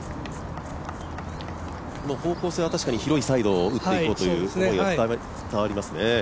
方向性は確かに広いサイドを打っていこうという思いが伝わりますね。